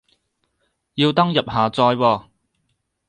要登入下載喎